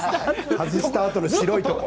外したあとの白いところ。